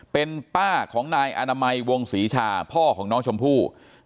เป็นป้าของนายอนามัยวงศรีชาพ่อของน้องชมพู่